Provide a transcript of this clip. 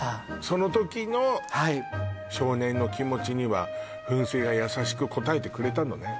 その時の少年の気持ちには噴水が優しくこたえてくれたのね